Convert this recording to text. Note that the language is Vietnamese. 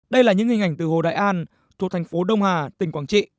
đây là những hình ảnh từ hồ đại an thuộc thành phố đông hà tỉnh quảng trị